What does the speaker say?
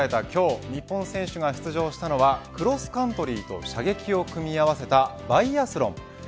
今日日本選手が出場したのはクロスカントリーと射撃を組み合わせたバイアスロン。